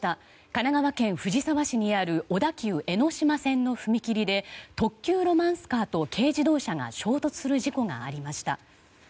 神奈川県藤沢市にある小田急江ノ島線の踏切で特急ロマンスカーと軽自動車が衝突する事故がありました。